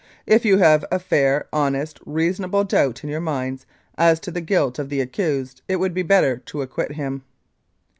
If you have a fair, honest, reasonable doubt in your minds as to the guilt of the accused it would be better to acquit him."